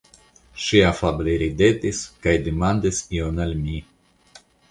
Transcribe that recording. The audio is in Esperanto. Ŝi afable ridetis kaj demandis ion al mi.